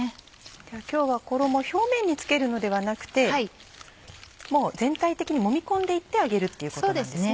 今日は衣表面に付けるのではなくてもう全体的にもみ込んでいって揚げるっていうことなんですね。